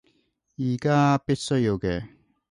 而家必須要嘅